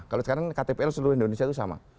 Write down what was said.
kalau sekarang ktpl seluruh indonesia itu sama